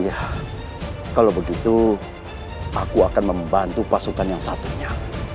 ya kalau begitu aku akan membantu pasukan yang satunya